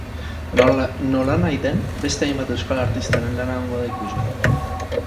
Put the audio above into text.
Nolanahi den, beste hainbat euskal artistaren lana egongo da ikusgai.